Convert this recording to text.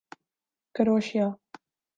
کروشیا